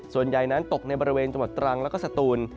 ส่วนใหญ่นั้นตกในบริเวณจังหวัดตรังแล้วก็สตูน